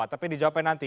tapi dijawabin nanti